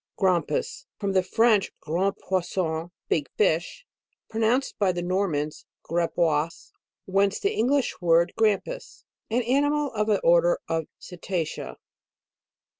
GRAMPUS. From the French, grand poisson, big fish, pronounced by the Normans, grapois, whence the En glish word Grampus. An animal of the order of cetacea.